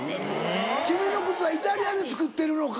君の靴はイタリアで作ってるのか。